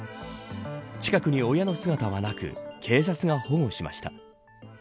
近くに親の姿はなく警察が保護しました。